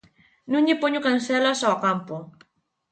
_ No lle poño cancelas ó campo.